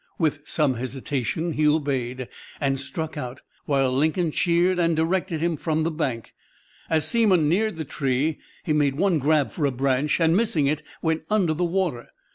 With some hesitation he obeyed, and struck out, while Lincoln cheered and directed him from the bank. As Seamon neared the tree he made one grab for a branch, and, missing it, went under the water.